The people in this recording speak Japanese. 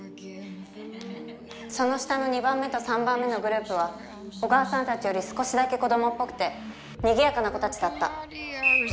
その下の二番目と三番目のグループは小川さんたちより少しだけ子供っぽくて賑やかな子たちだった。